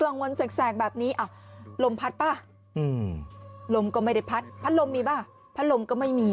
วันแสกแบบนี้ลมพัดป่ะลมก็ไม่ได้พัดพัดลมมีป่ะพัดลมก็ไม่มี